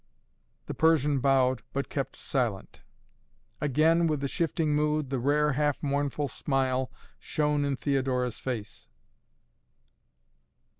The Persian bowed, but kept silent. Again, with the shifting mood, the rare, half mournful smile shone in Theodora's face.